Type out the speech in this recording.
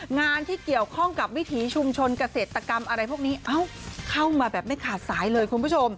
งานที่เกี่ยวข้องกับวิถีชุมชนเกษตรกรรมอะไรพวกนี้เข้ามาแบบไม่ขาดสายเลยคุณผู้ชม